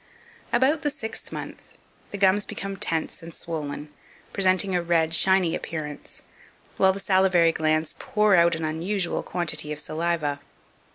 2511. About the sixth month the gums become tense and swollen, presenting a red, shiny appearance, while the salivary glands pour out an unusual quantity of saliva.